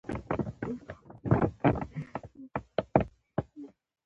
زړوګناهکار، د افغانستان تاریخي پېښې هم چاپ شوي.